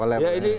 oleh pak ferry